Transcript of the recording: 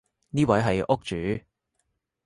呢位係屋主